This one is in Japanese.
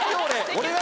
俺が？